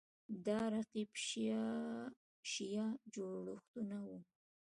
دا رقیب شیعه جوړښتونه وو